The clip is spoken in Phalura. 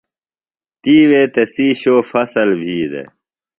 تی وے تسی شو فصل بھی دےۡ۔